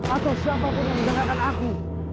atau siapapun yang menjengakkan aku